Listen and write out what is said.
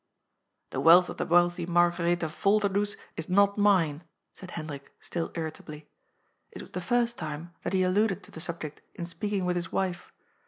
" The wealth of the wealthy Margaretha Volderdoes is not mine," said Hendrik, still irritably. It was the first time that he alluded to the subject in speaking with, his wife.